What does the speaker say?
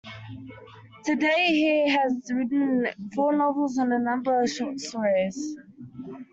To date he has written four novels and a number of short stories.